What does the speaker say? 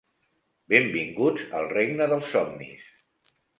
Benvinguts al regne dels somnis.